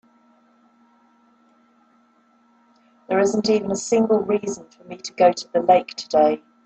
There isn't even a single reason for me to go to the lake today.